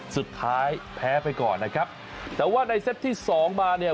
สุดท้ายแพ้ไปก่อนนะครับแต่ว่าในเซตที่สองมาเนี่ย